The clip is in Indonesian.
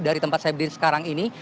dari tempat saya berdiri sekarang ini